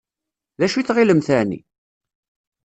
D acu i tɣilemt εni?